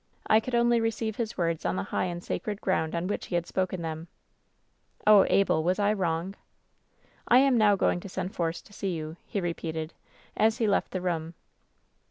I could only receive his words on the high and sacred ground on which he had spoken them. "Oh, Abel 1 was I wrong ? WHEN SHADOWS DIE ««6 " *I am now going to send Force to see you/ he re peated, as he left the room.